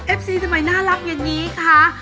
ซีทำไมน่ารักอย่างนี้คะ